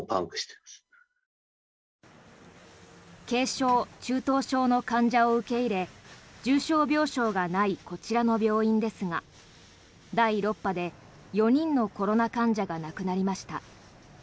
軽症・中等症の患者を受け入れ重症病床がないこちらの病院ですが第６波で４人のコロナ患者が亡くなりました。